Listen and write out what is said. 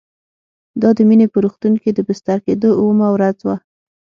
دا د مينې په روغتون کې د بستر کېدو اوومه ورځ وه